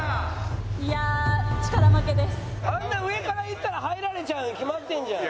あんな上からいったら入られちゃうに決まってんじゃん。